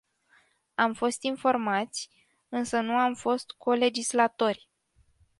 Am fost informați, însă nu am fost co-legislatori.